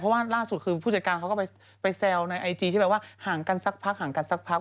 เพราะว่าล่าสุดคือผู้จัดการเขาก็ไปแซวในไอจีที่แบบว่าห่างกันสักพักห่างกันสักพัก